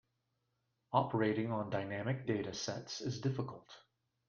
Operating on dynamic data sets is difficult.